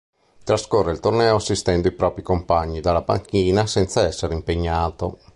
Trascorre il torneo assistendo i propri compagni dalla panchina, senza essere impiegato.